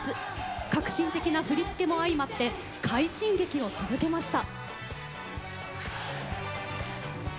革新的な振り付けも相まって快進撃を続けました。